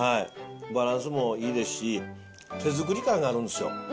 バランスもいいですし、手作り感があるんですよ。